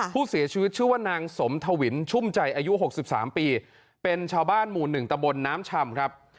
ผู้เสียชีวิตชื่อว่านางสมทวินชุ่มใจอายุ๖๓ปีเป็นชาวบ้านหมู่๑ตะบนน้ำชำครับ